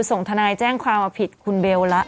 ส่งทนายแจ้งความเอาผิดคุณเบลแล้ว